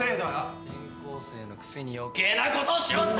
転校生のくせに余計なことをしおって！